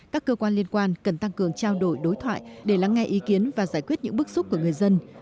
các cơ quan liên quan cần tăng cường trao đổi đối thoại để lắng nghe ý kiến và giải quyết những bức xúc của người dân